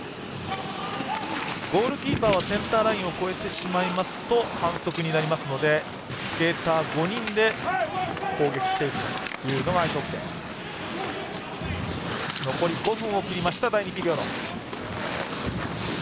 ゴールキーパーはセンターラインを越えてしまいますと反則になりますのでスケーター５人で攻撃していくというのがアイスホッケー。